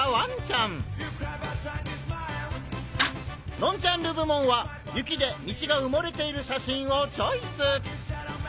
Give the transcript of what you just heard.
「ノンジャンル部門」は雪で道が埋もれている写真をチョイス！